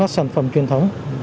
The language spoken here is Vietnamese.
các sản phẩm truyền thống